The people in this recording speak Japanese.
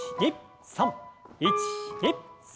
１２３！